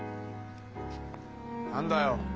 何だよ？